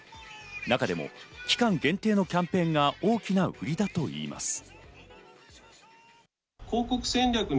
中でも期間限定のキャンペーンが大きな売りだといいます。